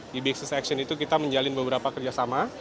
di bisnis action itu kita menjalin beberapa kerjasama